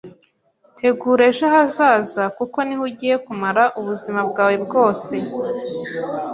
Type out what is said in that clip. Tegura ejo hazaza kuko niho ugiye kumara ubuzima bwawe bwose.